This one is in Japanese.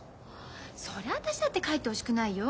そりゃ私だって帰ってほしくないよ。